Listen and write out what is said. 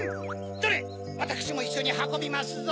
どれわたくしもいっしょにはこびますぞ。